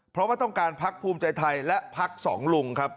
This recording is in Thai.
เพราะว่าต้องการพักภูมิใจไทยและพักสองลุงครับ